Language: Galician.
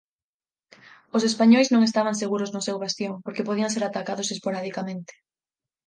Os españois non estaban seguros no seu bastión porque podían ser atacados esporadicamente.